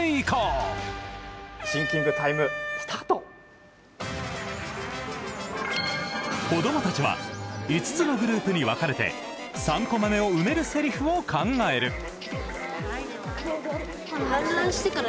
子どもたちは５つのグループに分かれて３コマ目を埋めるセリフを考える。